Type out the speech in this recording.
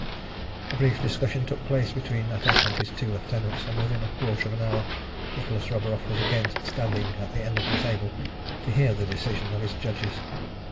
A brief discussion took place between Natas and his two lieutenants, and within a quarter of an hour Nicholas Roburoff was again standing at the end of the table to hear the decision of his judges.